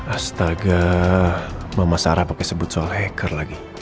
astaga mama sarah pakai sebut soal hacker lagi